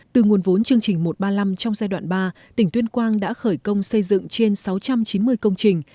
từ nguồn vốn chương trình một trăm ba mươi năm trong giai đoạn ba tỉnh tuyên quang đã khởi công xây dựng trên sáu trăm chín mươi công trình